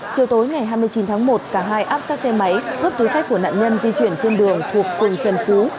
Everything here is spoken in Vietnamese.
chiều tối ngày hai mươi chín tháng một cả hai áp xác xe máy hướp túi xách của nạn nhân di chuyển trên đường thuộc phường trần cứu